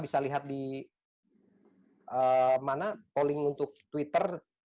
jika pilihan yang merupakan spek tipis rupiah bentuk merungiitate